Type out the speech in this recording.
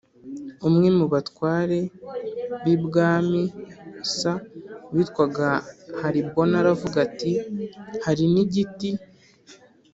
Umwe mu batware b ibwamis witwaga Haribona aravuga ati hari n igiti